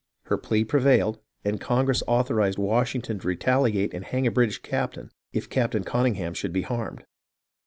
Her plea prevailed, and Congress authorized Washington to retaliate and hang a British cap tain, if Captain Conyngham should be harmed.